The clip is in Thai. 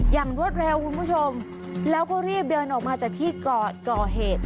รวดเร็วคุณผู้ชมแล้วก็รีบเดินออกมาจากที่ก่อเหตุ